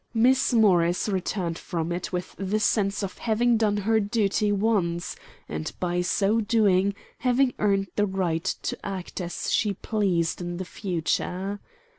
Miss Morris returned from it with the sense of having done her duty once, and by so doing having earned the right to act as she pleased in the future.